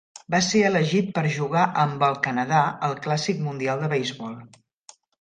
Va ser elegit per jugar amb el Canadà al clàssic mundial de beisbol.